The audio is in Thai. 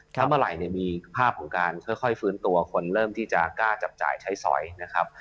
ถ้าเมื่อไหร่เนี่ยมีภาพของการค่อยฟื้นตัวคนเริ่มที่จะกล้าจับจ่ายใช้สอยนะครับ